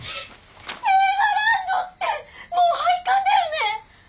「映画ランド」ってもう廃刊だよね！？